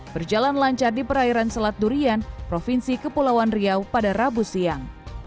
berjalan lancar di perairan selat durian provinsi kepulauan riau pada rabu siang